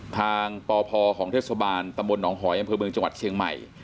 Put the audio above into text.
ปพของเทศบาลตำบลหนองหอยอำเภอเมืองจังหวัดเชียงใหม่